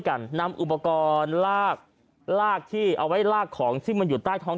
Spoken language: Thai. กันนำอุปกรณ์ลากลากที่เอาไว้ลากของซึ่งมันอยู่ใต้ท้อง